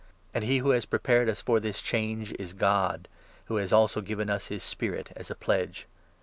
And he who has prepared us for this change 5 is God, who has also given us his Spirit as a pledge.